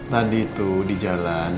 tadi tuh di jalan